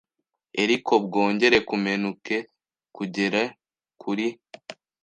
eriko bwongere kumenuke kugere kuri